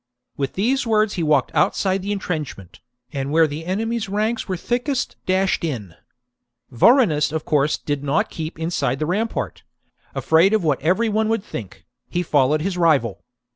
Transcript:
With these words he walked outside the entrenchment, and where the enemy's ranks were thickest dashed in. Vorenus of course did not keep inside the rampart : afraid of what every one would think, he followed his rival.